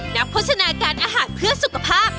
นักโภชนาการอาหารเพื่อสุขภาพ